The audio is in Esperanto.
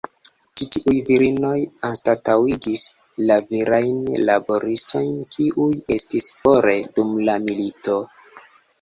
Ĉi tiuj virinoj anstataŭigis la virajn laboristojn, kiuj estis fore dum la milito.